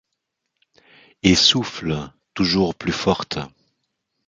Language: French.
Et souffle, toujours plus forte